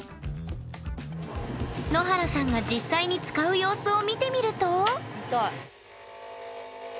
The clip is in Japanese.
野原さんが実際に使う様子を見てみると。